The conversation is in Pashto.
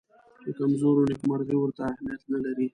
د کمزورو نېکمرغي ورته اهمیت نه لري.